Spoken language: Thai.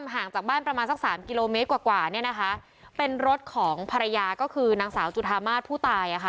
ห่างจากบ้านประมาณสักสามกิโลเมตรกว่ากว่าเนี่ยนะคะเป็นรถของภรรยาก็คือนางสาวจุธามาศผู้ตายอ่ะค่ะ